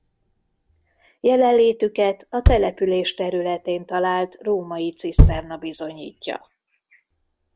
Jelenlétüket a település területén talált római ciszterna bizonyítja.